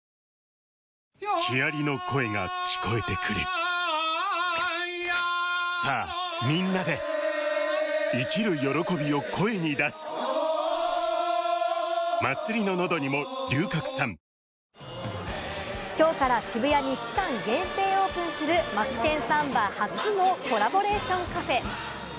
キッコーマン今日から渋谷に期間限定オープンする『マツケンサンバ』初のコラボレーションカフェ！